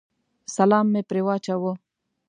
سلام مې پرې واچاوه.